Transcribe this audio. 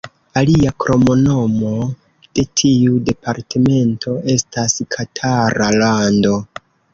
Alia kromnomo de tiu departemento estas Katara Lando.